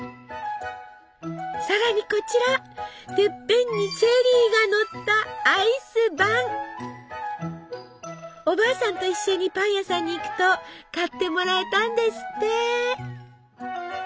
さらにこちらてっぺんにチェリーがのったおばあさんと一緒にパン屋さんに行くと買ってもらえたんですって！